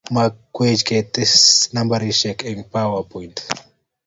Makwech keteshii nambeshiek eng Powerpoint